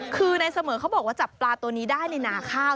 คือในเสมอเขาบอกว่าจับปลาตัวนี้ได้ในนาข้าว